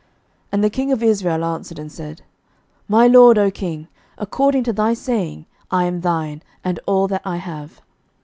11:020:004 And the king of Israel answered and said, My lord, O king, according to thy saying, I am thine, and all that I have.